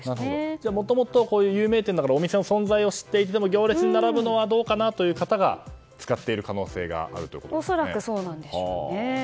じゃあ、もともと有名店だから存在を知っていても行列に並ぶのはどうかなという方が使っている恐らくそうなんでしょうね。